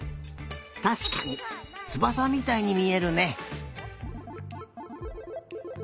たしかにつばさみたいにみえるね。